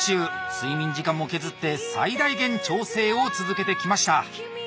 睡眠時間も削って最大限調整を続けてきました。